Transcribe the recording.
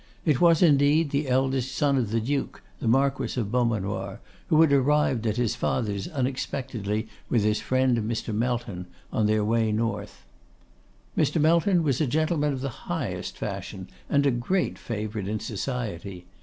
It was, indeed, the eldest son of the Duke, the Marquis of Beaumanoir, who had arrived at his father's unexpectedly with his friend, Mr. Melton, on their way to the north. Mr. Melton was a gentleman of the highest fashion, and a great favourite in society.